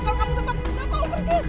kalau kamu tetap gak mau pergi